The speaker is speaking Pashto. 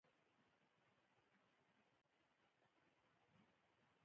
چاک پردې یې د خلوت کړه سپیني حوري، بد ګړی دی